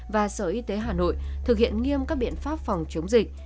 và sở y tế hà nội thực hiện nghiêm các biện pháp phòng chống dịch